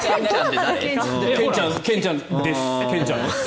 ケンちゃんです。